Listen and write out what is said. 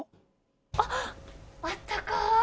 あっ、あったかい。